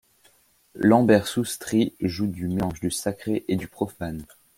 Lambert Sustris joue du mélange du sacré et du profane.